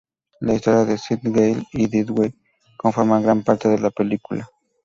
La historia de Sid, Gale, y Dewey conforman gran parte de la película.